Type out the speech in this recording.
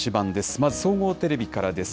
まず総合テレビからです。